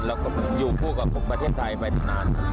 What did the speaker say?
แล้วก็อยู่คู่กับประเทศไทยไว้ทั้งนั้น